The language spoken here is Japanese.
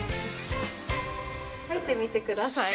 描いてみてください。